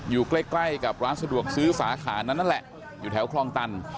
อยู่ใกล้ใกล้กับร้านสะดวกซื้อสาขานั้นนั่นแหละอยู่แถวคลองตัน